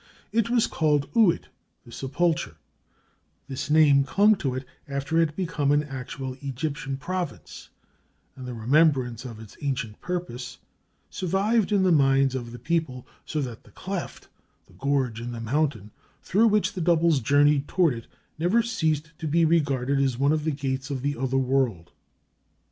It was called Uit, the Sepulchre; this name clung to it after it had become an actual Egyptian province, and the remembrance of its ancient purpose survived in the minds of the people, so that the "cleft," the gorge in the mountain through which the doubles journeyed toward it, never ceased to be regarded as one of the gates of the other world.